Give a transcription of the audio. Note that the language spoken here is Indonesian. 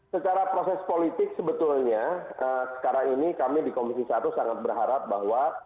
secara proses politik sebetulnya sekarang ini kami di komisi satu sangat berharap bahwa